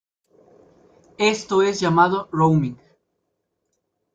Esto es llamado "roaming".